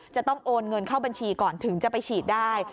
จะต้องโอนเงินเข้าบัญชีก่อนถึงจะไปฉีดได้